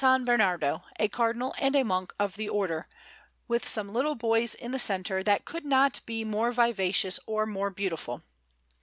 Bernardo, a Cardinal and a monk of the Order, with some little boys in the centre that could not be more vivacious or more beautiful.